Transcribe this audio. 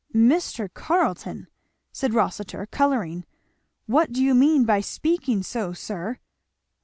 "Mr. Carleton!" said Rossitur colouring. "What do you mean by speaking so, sir?"